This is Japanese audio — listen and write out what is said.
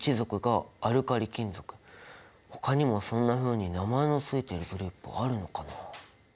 ほかにもそんなふうに名前のついてるグループあるのかな？